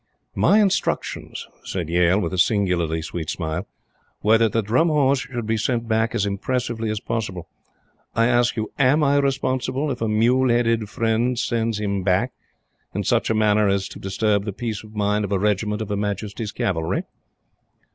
"My instructions," said Yale, with a singularly sweet smile, "were that the Drum Horse should be sent back as impressively as possible. I ask you, AM I responsible if a mule headed friend sends him back in such a manner as to disturb the peace of mind of a regiment of Her Majesty's Cavalry?"